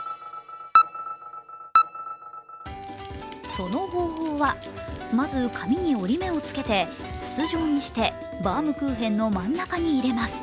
その方法は、まず、紙に折り目をつけて筒状にして、バウムクーヘンの真ん中に入れます。